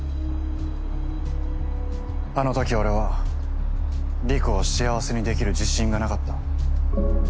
あのとき俺は莉子を幸せにできる自信がなかった。